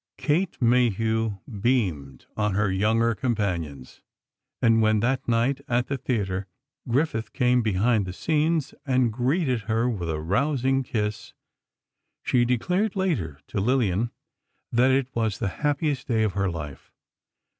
Kate Mayhew beamed on her younger companions. And when, that night, at the theatre, Griffith came behind the scenes and greeted her with a rousing kiss, she declared, later, to Lillian, that it was the happiest day of her life.